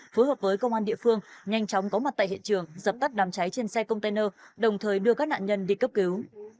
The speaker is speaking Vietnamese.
phối hợp với công an địa phương nhanh chóng có mặt tại hiện trường dập tắt đám cháy trên xe container đồng thời đưa các nạn nhân đi cấp cứu